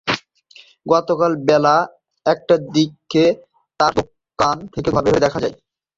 গতকাল বেলা একটার দিকেও তাঁর দোকান থেকে ধোঁয়া বের হতে দেখা যায়।